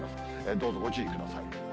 どうぞご注意ください。